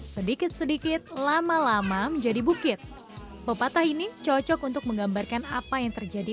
sedikit sedikit lama lama menjadi bukit pepatah ini cocok untuk menggambarkan apa yang terjadi